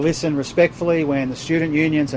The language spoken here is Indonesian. ketika perusahaan dan lainnya